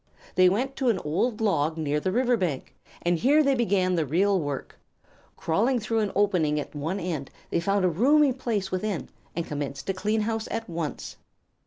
They went to an old log near the river bank, and here they began the real work. Crawling through an opening at one end, they found a roomy place within, and commenced to clean house at once.